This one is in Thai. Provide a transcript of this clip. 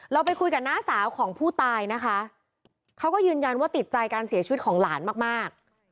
เราไปคุยกับน้าสาวของผู้ตายนะคะเขาก็ยืนยันว่าติดใจการเสียชีวิตของหลานมากมาก